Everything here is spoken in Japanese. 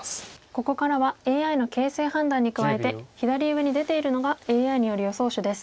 ここからはＡＩの形勢判断に加えて左上に出ているのがＡＩによる予想手です。